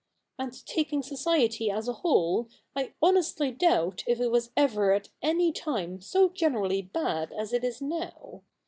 And taking society as a whole, I honestly doubt if it was ever at any time so generally bad as it is now.